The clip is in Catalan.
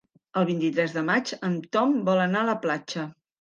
El vint-i-tres de maig en Tom vol anar a la platja.